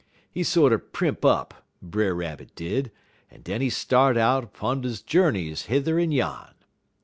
"He sorter primp up, Brer Rabbit did, en den he start out 'pun he journeys hether en yan.